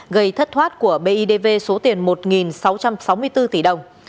gây thất thoát của bidv số tiền một sáu trăm sáu mươi bốn tỷ đồng